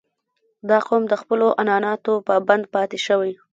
• دا قوم د خپلو عنعناتو پابند پاتې شوی.